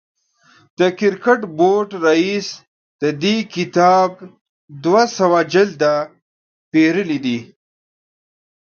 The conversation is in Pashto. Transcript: د کرکټ بورډ رئیس د دې کتاب دوه سوه جلده پېرلي دي.